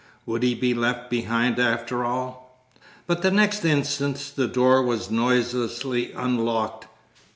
Would he be left behind after all? But the next instant the door was noiselessly unlocked.